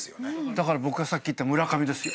だからさっき言った村上ですよ。